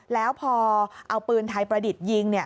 แล้วพอเอาปืนไทยประดิษฐ์ยิง